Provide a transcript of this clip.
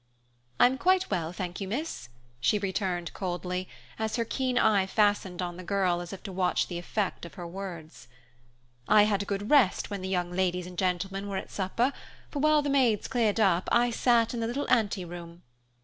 "I'm quite well, thank you, miss," she returned coldly, as her keen eye fastened on the girl as if to watch the effect of her words. "I had a good rest when the young ladies and gentlemen were at supper, for while the maids cleared up, I sat in the 'little anteroom.